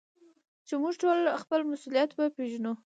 چي موږ ټول خپل مسؤليت وپېژنو.